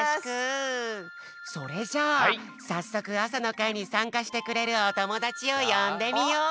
それじゃあさっそくあさのかいにさんかしてくれるおともだちをよんでみよう！